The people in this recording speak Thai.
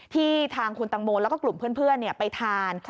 ที่ทางคุณตังโมแล้วก็กลุ่มเพื่อนไปทาน